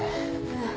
うん。